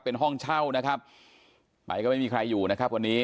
เป็นห้องเช่านะครับไปก็ไม่มีใครอยู่นะครับวันนี้